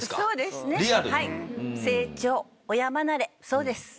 そうです。